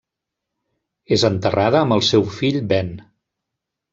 És enterrada amb el seu fill Ben.